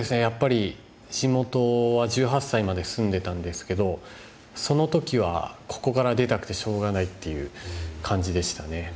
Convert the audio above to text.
やっぱり地元は１８歳まで住んでたんですけどその時はここから出たくてしょうがないっていう感じでしたね。